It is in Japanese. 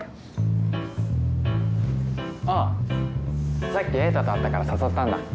ああさっき瑛太と会ったから誘ったんだ。